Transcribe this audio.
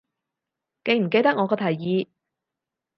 記唔記得我個提議